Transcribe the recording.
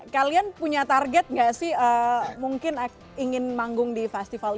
kalian punya target nggak sih mungkin ingin manggung di festival ini